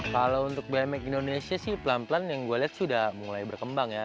kalau untuk bmx indonesia sih pelan pelan yang gue lihat sudah mulai berkembang ya